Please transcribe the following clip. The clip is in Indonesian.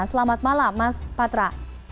selamat malam mas patra